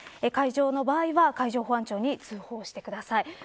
海上の場合は海上保安庁に通報してください。